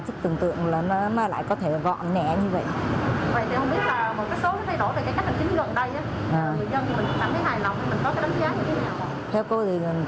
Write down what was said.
vậy tôi không biết là một số thay đổi về cách hành chính gần đây người dân có cảm thấy hài lòng có đánh giá như thế nào không